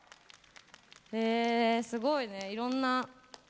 へえすごいねいろんな。